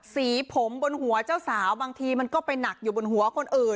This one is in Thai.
สีผมบนหัวเจ้าสาวบางทีมันก็ไปหนักอยู่บนหัวคนอื่น